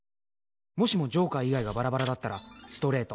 もしもジョーカー以外がばらばらだったらストレート。